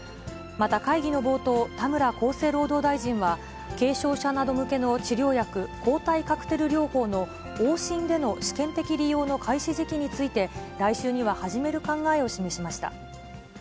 また会議の冒頭、田村厚生労働大臣は、軽症者など向けの治療薬、抗体カクテル療法の往診での試験的利用の開始時期について、来週には始める考えを示しました。